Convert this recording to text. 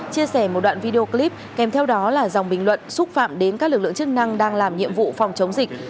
chia sẻ một đoạn video clip kèm theo đó là dòng bình luận xúc phạm đến các lực lượng chức năng đang làm nhiệm vụ phòng chống dịch